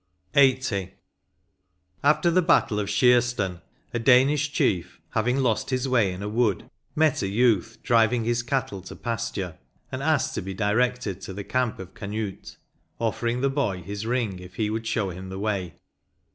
160 LXXX. After the battle of Scearstan, a Danish chief, having lost his way in a wood, met a youth driving his cattle to pastnie, and asked to he directed to the camp of Canute, offering the hoy his ring if he would show him the way.